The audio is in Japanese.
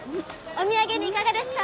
お土産にいかがですか？